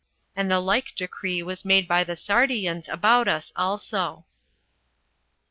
And the like decree was made by the Sardians about us also.